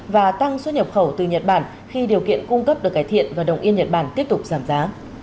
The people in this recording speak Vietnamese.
và tăng xuất nhập khẩu từ nhật bản khi điều kiện cung cấp được cải thiện và đồng yên nhật bản tiếp tục giảm giá